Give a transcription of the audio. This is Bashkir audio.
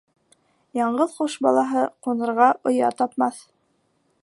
Яңғыҙ ҡош балаһы ҡунырға оя тапмаҫ.